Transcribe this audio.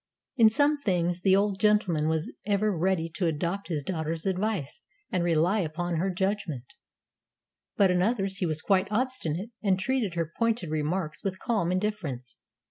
In some things the old gentleman was ever ready to adopt his daughter's advice and rely upon her judgment; but in others he was quite obstinate and treated her pointed remarks with calm indifference.